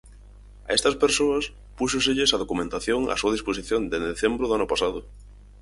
A estas persoas púxoselles a documentación á súa disposición dende decembro do ano pasado.